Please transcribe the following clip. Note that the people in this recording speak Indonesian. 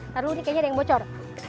lalu ini kayaknya ada yang bocor